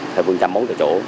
địa phương chăm bóng tại chỗ